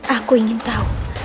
aku ingin tahu